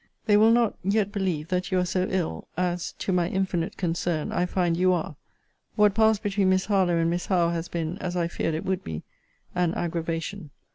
They will not yet believe that you are so ill, as [to my infinite concern] I find you are. What passed between Miss Harlowe and Miss Howe has been, as I feared it would be, an aggravation.